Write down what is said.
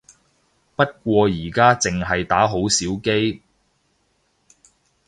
不過而家淨係打好少機